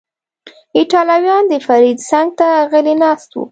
ایټالویان، د فرید څنګ ته غلی ناست و.